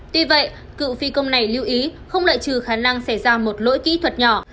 tuy vậy cựu phi công này lưu ý không loại trừ khả năng xảy ra một lỗi kỹ thuật nhỏ